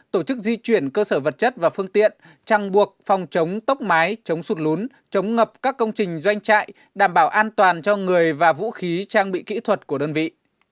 tổ chức di chuyển cơ sở vật chất và phương tiện trang buộc phòng chống tốc mái chống sụt lún chống ngập các công trình doanh trại đảm bảo an toàn cho người và vũ khí trang bị kỹ thuật của đơn vị